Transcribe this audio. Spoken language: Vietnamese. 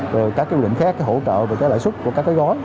rồi các quy định khác hỗ trợ về lợi xuất của các gói